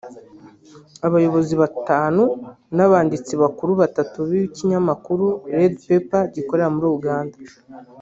Abayobozi batanu n’abanditsi bakuru batatu b’ikinyamakuru Red Pepper gikorera muri Uganda